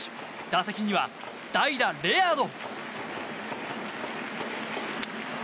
打席には代打、レアード。